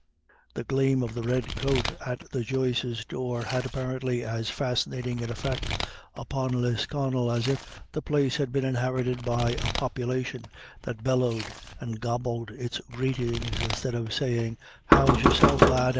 The gleam of the red coat at the Joyces' door had apparently as fascinating an effect upon Lisconnel as if the place had been inhabited by a population that bellowed and gobbled its greetings instead of saying, "How's yourself, lad?"